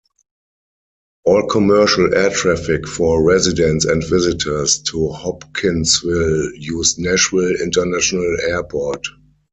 All commercial air traffic for residents and visitors to Hopkinsville use Nashville International Airport.